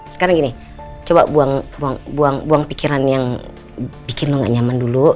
sekarang gini coba buang pikiran yang bikin lo gak nyaman dulu